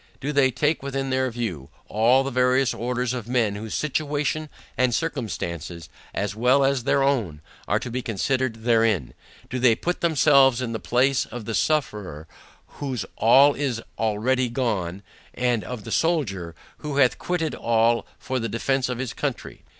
Do they take within their view, all the various orders of men whose situation and circumstances, as well as their own, are to be considered therein. Do they put themselves in the place of the sufferer whose ALL is ALREADY gone, and of the soldier, who hath quitted ALL for the defence of his country.